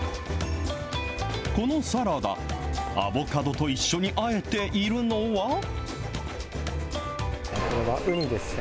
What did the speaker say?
このサラダ、アボカドと一緒にあえているのは。